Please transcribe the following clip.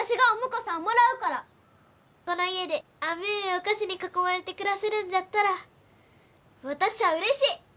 この家で甘えお菓子に囲まれて暮らせるんじゃったら私ゃあうれしい！